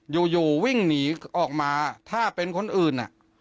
อยู่วิ่งหนีออกมาถ้าเป็นคนอื่น